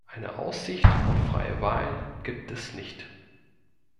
Eine Aussicht auf freie Wahlen gibt es nicht.